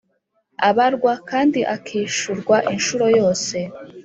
abarwa kandi akishurwa inshuro yose